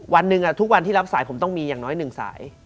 วันหนึ่งทุกวันที่รับสายผมต้องมีอย่างน้อย๑สาย